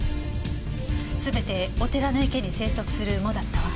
全てお寺の池に生息する藻だったわ。